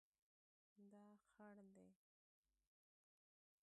دا خړ دی